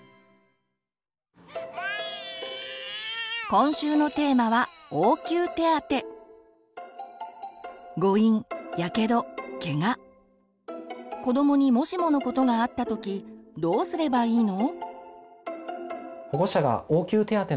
今週のテーマは子どもにもしものことがあったときどうすればいいの？